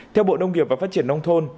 theo bộ nông nghiệp và phát triển nông thôn